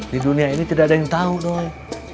di dunia ini tidak ada yang tau doi